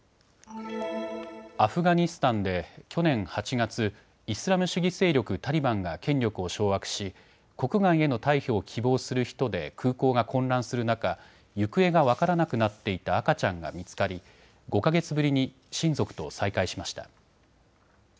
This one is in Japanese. アフガニスタンで去年８月、イスラム主義勢力タリバンが権力を掌握し国外への退去を希望する人で空港が混乱する中、行方が分からなくなっていた赤ちゃんが見つかり５か月ぶりに親族と再会しました。